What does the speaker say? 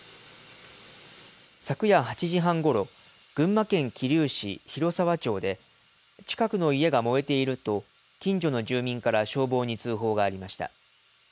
昨夜８時半ごろ、群馬県桐生市広沢町で、近くの家が燃えていると、近所の住民から消防に通報がありました。